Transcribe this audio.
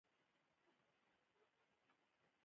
ایا زه اوس اوبه څښلی شم؟